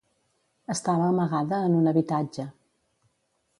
Estava amagada en un habitatge.